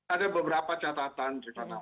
ada beberapa catatan